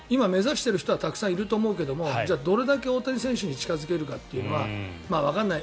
今、目指している人はたくさんいると思うけどもどれだけ大谷選手に近付けるかはわからない。